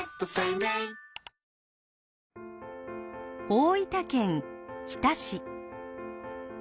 大分県日田市。